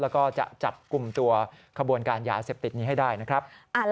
แล้วก็จะจับกลุ่มตัวขบวนการยาเสพติดนี้ให้ได้นะครับ